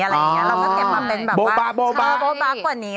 เราก็เก็บมาเป็นแบบโบ๊บักกว่านี้